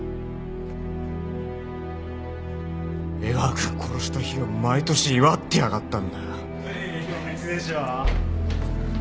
江川君殺した日を毎年祝ってやがったんだ。